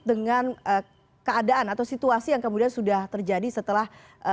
dengan keadaan atau situasi yang kemudian sudah terjadi setelah